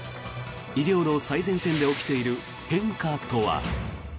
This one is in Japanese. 医療の最前線で起きている変化とは。